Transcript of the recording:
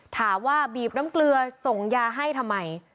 ถามว่าบีบน้ำเกลือส่งยาให้ทำไม